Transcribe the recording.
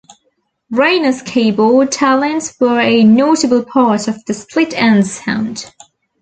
Rayner's keyboard talents were a notable part of the Split Enz sound.